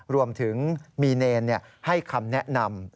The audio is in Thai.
รวมถึงมีเนรให้คำแนะนำ